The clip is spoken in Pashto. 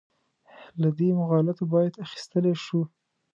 له دې مغالطو باید اخیستلی شو.